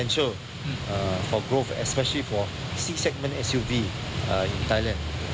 สำหรับการสร้างโรงงานในไทย